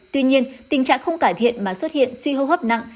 tuy nhiên tình trạng không cải thiện mà xuất hiện suy hô hấp nặng